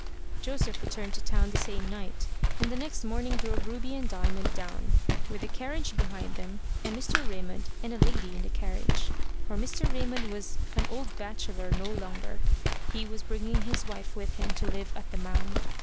Joseph returned to town the same night, and the next morning drove Ruby and Diamond down, with the carriage behind them, and Mr. Raymond and a lady in the carriage. For Mr. Raymond was an old bachelor no longer: he was bringing his wife with him to live at The Mound.